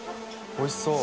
おいしそう。